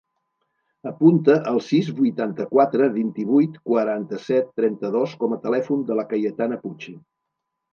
Apunta el sis, vuitanta-quatre, vint-i-vuit, quaranta-set, trenta-dos com a telèfon de la Cayetana Puche.